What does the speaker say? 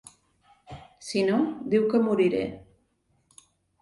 Si no, diu que moriré.